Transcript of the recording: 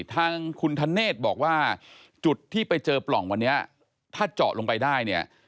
ทางคุณธเนธบอกว่าจุดที่ไปเจอปล่องวันนี้ถ้าเจาะลงไปได้เนี่ย